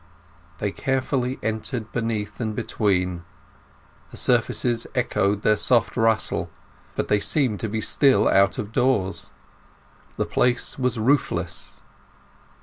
They carefully entered beneath and between; the surfaces echoed their soft rustle; but they seemed to be still out of doors. The place was roofless.